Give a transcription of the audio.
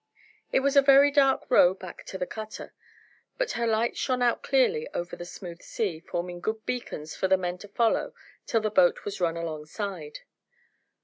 It was a very dark row back to the cutter, but her lights shone out clearly over the smooth sea, forming good beacons for the men to follow till the boat was run alongside.